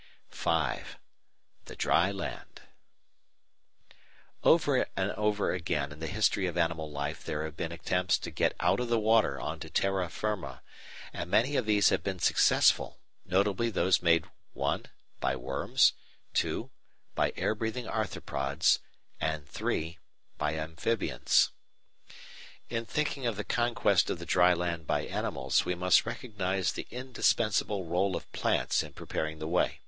V. THE DRY LAND Over and over again in the history of animal life there have been attempts to get out of the water on to terra firma, and many of these have been successful, notably those made (1) by worms, (2) by air breathing Arthropods, and (3) by amphibians. In thinking of the conquest of the dry land by animals, we must recognise the indispensable rôle of plants in preparing the way.